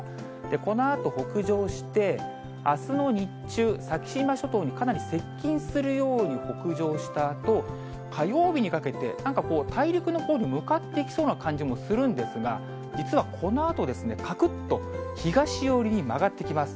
このあと北上して、あすの日中、先島諸島にかなり接近するように北上したあと、火曜日にかけて、なんかこう、大陸のほうに向かっていきそうな感じもするんですが、実はこのあと、かくっと、東寄りに曲がってきます。